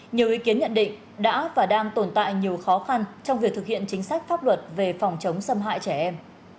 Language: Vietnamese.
nhiều ý kiến nhận định đã và đang tồn tại nhiều khó khăn trong việc thực hiện chính sách pháp luật về phòng chống xâm hại trẻ em